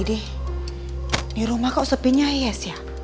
di rumah kok sepinya yes ya